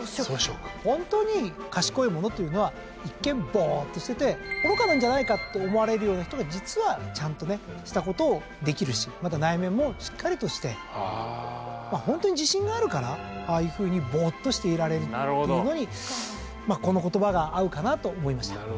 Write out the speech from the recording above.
ほんとに賢い者っていうのは一見ぼっとしてて愚かなんじゃないかって思われるような人が実はねちゃんとねしたことをできるしまた内面もしっかりとしてほんとに自信があるからああいうふうにぼっとしていられるっていうのにこの言葉が合うかなと思いました。